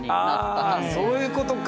あそういうことか。